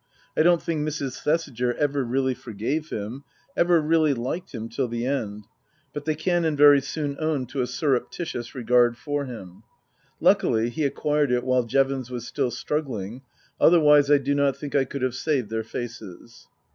I don't think Mrs. Thesiger ever really forgave him, ever really liked him till the end ; but the Canon very soon owned to a surreptitious regard for him. Luckily he acquired it while Jevons was still struggling, other wise I do not think I could have saved their faces.